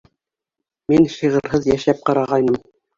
Мин шиғырһыҙ йәшәп ҡарағайным.